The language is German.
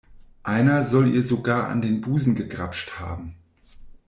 Einer soll ihr sogar an den Busen gegrapscht haben.